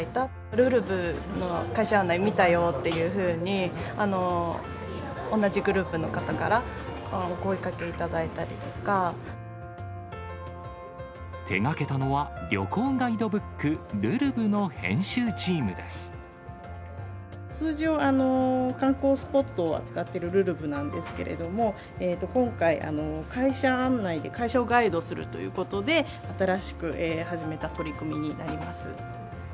るるぶの会社案内見たよっていうふうに同じグループの方からお声手がけたのは、旅行ガイドブ通常、観光スポットを扱っている、るるぶなんですけれども、今回、会社案内で、会社をガイドするということで、新しく始めた取り組みになります。